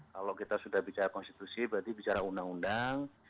kalau kita sudah bicara konstitusi berarti bicara undang undang